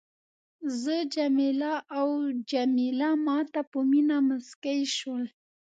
زه جميله او جميله ما ته په مینه مسکي شول.